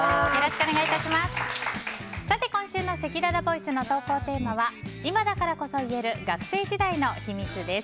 今週のせきららボイスの投稿テーマは今だからこそ言える学生時代の秘密！です。